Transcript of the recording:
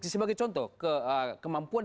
sebagai contoh kemampuan